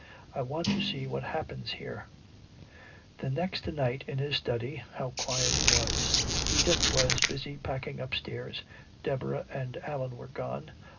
I want to see what happens here." The next night in his study, how quiet it was. Edith was busy packing upstairs, Deborah and Allan were gone.